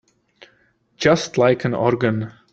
Just like an organ.